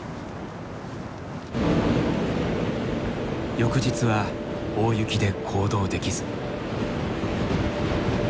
翌日は大雪で行動できず。